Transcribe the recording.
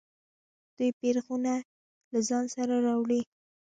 دوی بیرغونه له ځان سره راوړي.